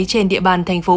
trên địa bàn tp biển đông